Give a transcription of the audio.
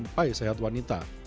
sampai sehat wanita